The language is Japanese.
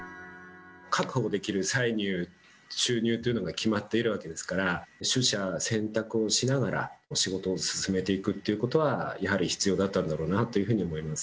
確保できる歳入、収入というのが決まっているわけですから、取捨選択をしながら仕事を進めていくっていうことは、やはり必要だったんだろうなというふうに思います。